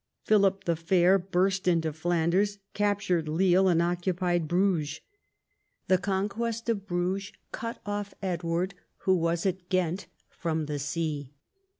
Philip the Fair burst into Flanders, captured Lille, and occupied Bruges. The conquest of Bruges cut off Edward, who was at Ghent, from the sea.